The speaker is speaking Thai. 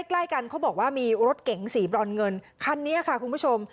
ใกล้กันเขาบอกว่ามีรถเก๋งสีบรอนเงินคันนี้ค่ะคุณผู้ชม